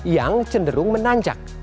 yang cenderung menanjak